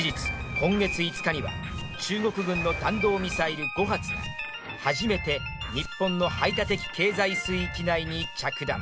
今月５日には中国軍の弾道ミサイル５発が初めて日本の排他的経済水域内に着弾。